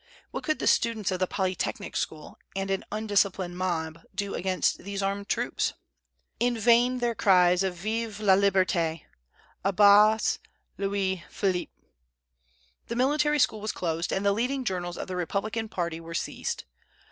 What could the students of the Polytechnic School and an undisciplined mob do against these armed troops? In vain their cries of Vive la Liberté; à bas Louis Philippe! The military school was closed, and the leading journals of the Republican party were seized.